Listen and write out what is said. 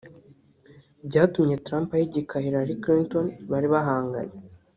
byatumye Trump ahigika Hillary Clinton bari bahanganye